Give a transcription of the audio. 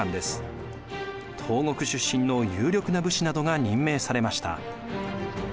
東国出身の有力な武士などが任命されました。